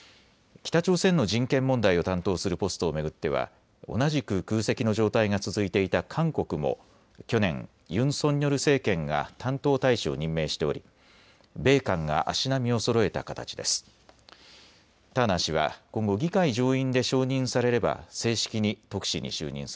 北朝鮮の人権問題を担当するポストを巡っては同じく空席の状態が続いていた韓国も去年ユン・ソンニョル政権が担当大使を任命しており米韓が足並みをそろえた形です。